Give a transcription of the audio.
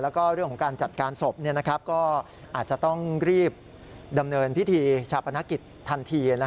แล้วก็เรื่องของการจัดการศพก็อาจจะต้องรีบดำเนินพิธีชาปนกิจทันที